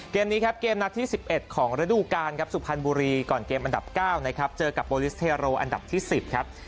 เกมนี้ครับเกมนัดที่๑๑ของฤดูกาลครับสุพรรณบุรีก่อนเกมอันดับ๙นะครับเจอกับโปรลิสเทโรอันดับที่๑๐ครับ